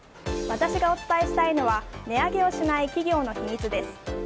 私がお伝えしたいのは値上げをしない企業の秘密です。